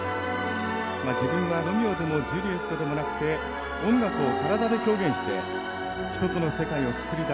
自分はロミオでもジュリエットでもなくて音楽を体で表現して一つの世界を作り出したい。